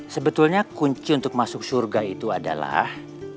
sebetulnya kunci untuk masuk surga itu adalah